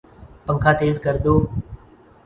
پنکھا تیز کردو